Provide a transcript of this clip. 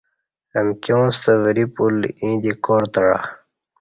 امکیاں ستہ وری پل ییں دی کار تعہ